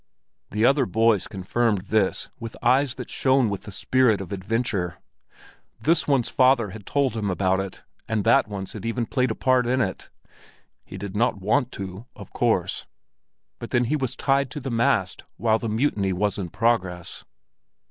The other boys confirmed this with eyes that shone with the spirit of adventure; this one's father had told him about it, and that one's had even played a part in it. He did not want to, of course, but then he was tied to the mast while the mutiny was in progress.